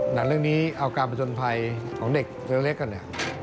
หนังเรื่องนี้เอาการผจญภัยของเด็กเล็กก่อนเนี่ย